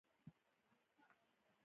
هنر باید وپال ل شي